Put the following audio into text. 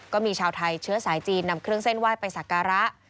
ก็มีชาวไทยเชื้อสายจีนนำเครื่องเส้นไหว้ไปสักการะ